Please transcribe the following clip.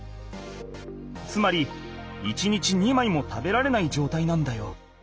つまり１日２枚も食べられないじょうたいなんだよ。